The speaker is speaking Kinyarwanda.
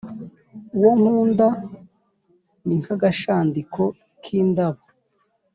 Uwo nkunda ni nk’agashandiko k’indabo